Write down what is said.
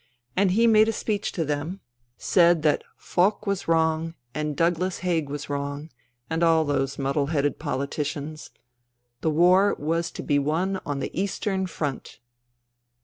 And he made a speech to them ; said 120 FUTILITY that Foch was wrong and Douglas Haig was wrong, and all those muddle headed politicians ! The war was to be won on the Eastern Front."